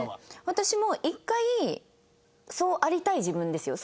私も一回そうありたい自分ですよ？